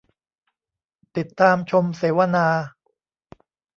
ติดตามชมเสวนา